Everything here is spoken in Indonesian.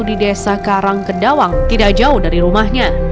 di desa karang kedawang tidak jauh dari rumahnya